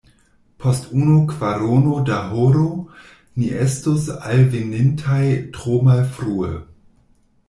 Post unu kvarono da horo, ni estus alvenintaj tro malfrue.